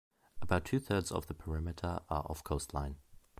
About two thirds of the perimeter are of coastline.